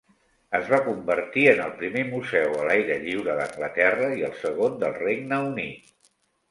Es va convertir en el primer museu a l'aire lliure d'Anglaterra i el segon del Regne Unit.